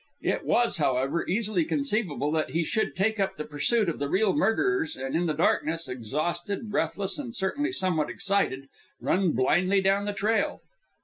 It was, however, easily conceivable that he should take up the pursuit of the real murderers, and in the darkness exhausted, breathless, and certainly somewhat excited run blindly down the trail.